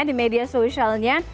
di media socialnya